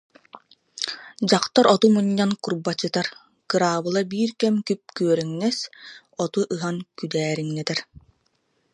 Дьахтар оту мунньан курбачытар, кыраабыла биир кэм күп-күөрэҥнэс, оту ыһан күдээриҥнэтэр